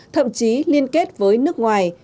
thậm chí liên kết với nước ngoài